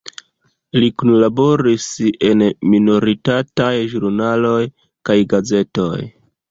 Li kunlaboris en minoritataj ĵurnaloj kaj gazetoj.